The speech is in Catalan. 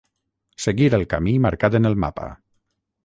Seguir el camí marcat en el mapa.